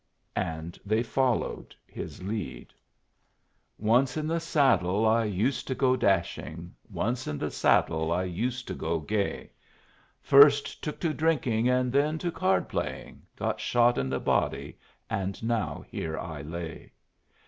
And they followed his lead: "Once in the saddle, I used to go dashing, Once in the saddle, I used to go gay; First took to drinking, and then to card playing; Got shot in the body, and now here I lay.